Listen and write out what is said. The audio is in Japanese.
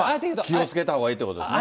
気をつけたほうがいいってことですね。